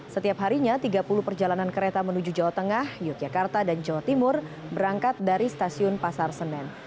setiap harinya tiga puluh perjalanan kereta menuju jawa tengah yogyakarta dan jawa timur berangkat dari stasiun pasar senen